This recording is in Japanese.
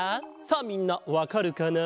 さあみんなわかるかな？